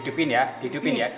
community dengan kemilzian wilayah